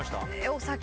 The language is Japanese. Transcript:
お酒？